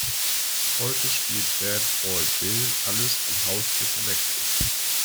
Heute spielt Bad Boy Bill alles von House bis Elektro.